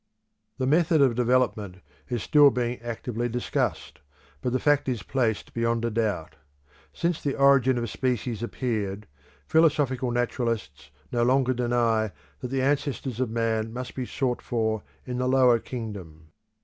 The method of development is still being actively discussed, but the fact is placed beyond a doubt. Since The Origin of Species appeared, philosophical naturalists no longer deny that the ancestors of man must he sought for in the lower kingdom.